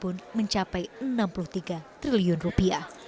pun mencapai enam puluh tiga triliun rupiah